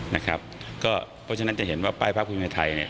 เพราะฉะนั้นจะเห็นว่าป้ายภาพภูมิใจไทย